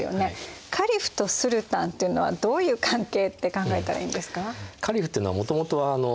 カリフとスルタンっていうのはどういう関係って考えたらいいんですか？